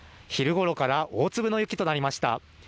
昼ごろから大粒の雪となりました。